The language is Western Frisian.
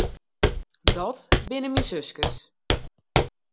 Dat binne myn suskes.